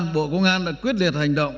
bộ công an đã quyết liệt hành động